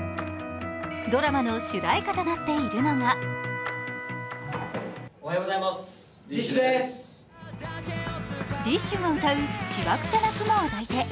ドラマの主題歌となっているのがＤＩＳＨ／／が歌う「しわくちゃな雲を抱いて」。